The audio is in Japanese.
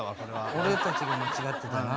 俺たちが間違ってたな。